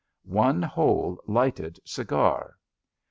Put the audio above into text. One whole lighted cigar.